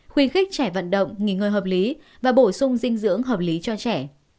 khuyến khích trẻ vận động nghỉ ngơi hợp lý và bổ sung dinh dưỡng hợp lý cho trẻ